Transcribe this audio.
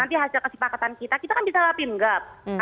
nanti hasil kasih pakatan kita kita kan bisa alapin enggak